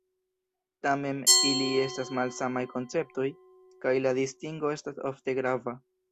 Tamen, ili estas malsamaj konceptoj, kaj la distingo estas ofte grava.